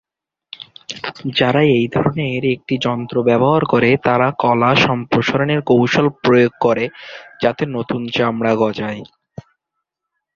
যারা এই ধরনের একটি যন্ত্র ব্যবহার করে তারা কলা-সম্প্রসারণের কৌশল প্রয়োগ করে, যাতে নতুন চামড়া গজায়।